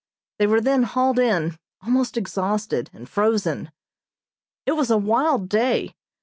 They were then hauled in, almost exhausted and frozen. It was a wild day.